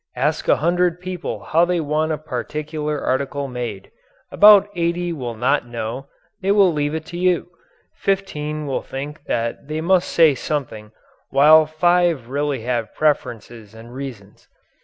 Ask a hundred people how they want a particular article made. About eighty will not know; they will leave it to you. Fifteen will think that they must say something, while five will really have preferences and reasons.